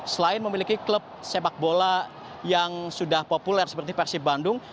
selain memiliki klub sepak bola yang sudah populer seperti persib bandung